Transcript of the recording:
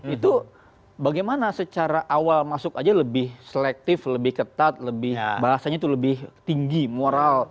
itu bagaimana secara awal masuk aja lebih selektif lebih ketat bahasanya itu lebih tinggi moral